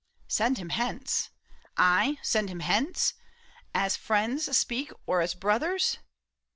'' Send him hence ?/ send him hence ? As friends speak or as brothers